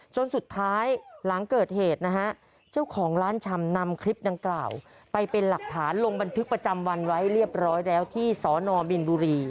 จนสุดท้ายหลังเกิดเหตุนะฮะเจ้าของร้านชำนำคลิปดังกล่าวไปเป็นหลักฐานลงบันทึกประจำวันไว้เรียบร้อยแล้วที่สนบินบุรี